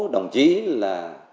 đồng chí là